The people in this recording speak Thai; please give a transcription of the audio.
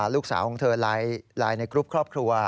ลูกสาวของเธอไลน์ในกรุ๊ปครอบครัว